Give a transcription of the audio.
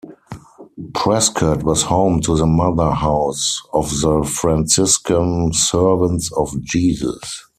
Prescott was home to the mother house of the Franciscan Servants of Jesus.